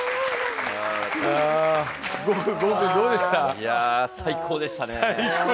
いやぁ、最高でしたね。